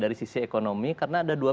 dari sisi ekonomi karena ada dua